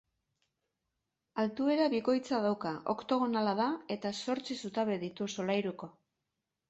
Altuera bikoitza dauka, oktogonala da eta zortzi zutabe ditu solairuko.